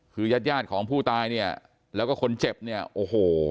คือยาดของผู้ตายเนี่ยแล้วก็คนเจ็บเนี่ยโอ้โห